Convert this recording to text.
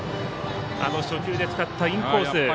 初球で使ったインコース。